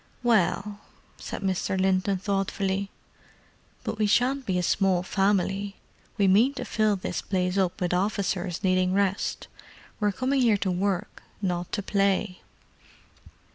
"Well——" said Mr. Linton thoughtfully. "But we shan't be a small family—we mean to fill this place up with officers needing rest. We're coming here to work, not to play."